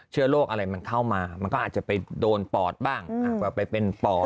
เชื้อโรคอะไรมันเข้ามามันก็อาจจะไปโดนปอดบ้างไปเป็นปอด